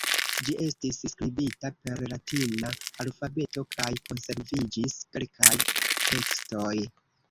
Ĝi estis skribita per latina alfabeto kaj konserviĝis kelkaj tekstoj.